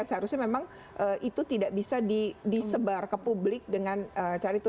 seharusnya memang itu tidak bisa disebar ke publik dengan cara itu